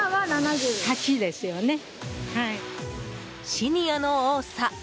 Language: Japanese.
シニアの多さ！